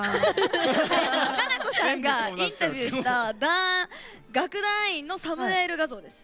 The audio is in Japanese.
奏子さんがインタビューした楽団員のサムネイル画像です。